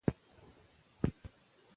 آیا ستاسو په کلي کې نوی ښوونځی جوړ سو؟